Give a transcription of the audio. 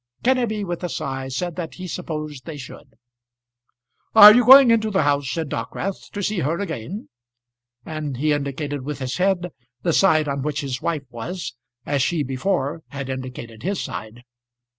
Kenneby with a sigh said that he supposed they should. "Are you going into the house," said Dockwrath, "to see her again?" and he indicated with his head the side on which his wife was, as she before had indicated his side.